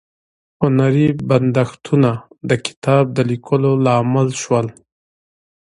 هنري بندښتونه د کتاب د لیکلو لامل شول.